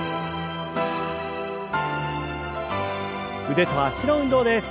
腕と脚の運動です。